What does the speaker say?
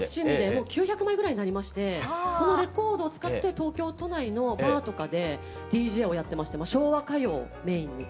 もう９００枚ぐらいになりましてそのレコードを使って東京都内のバーとかでＤＪをやってまして昭和歌謡をメインに。